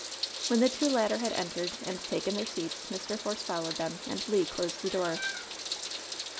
When the two latter had entered and taken their seats, Mr. Force followed them, and Le closed the door.